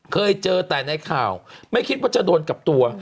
เคยเจอแต่ในข่าวไม่คิดว่าจะโดนกับตัว